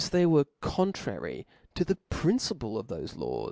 363 they were contrary to the principle of thofe laws.